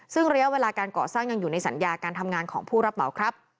ซึ่งระยะเวลาการก่อสร้างยังอยู่ในสัญญาการทำงานของผู้รับเหมาครับ